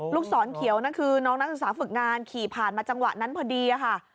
ลูกศรเขียวนั่นคือน้องนักศึกษาฝึกงานขี่ผ่านมาจังหวะนั้นพอดีค่ะ